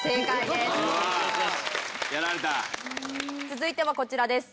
続いてはこちらです。